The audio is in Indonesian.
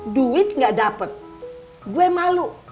duit gak dapat gue malu